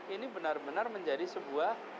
ini benar benar menjadi sebuah